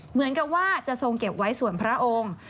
เหมือนกับว่าจะทรงเก็บไว้ส่วนพระองค์